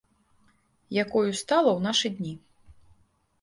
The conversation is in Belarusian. Якою стала ў нашы дні.